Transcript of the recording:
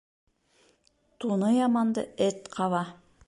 Туны яманды эт ҡаба.